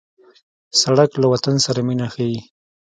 سړک له وطن سره مینه ښيي.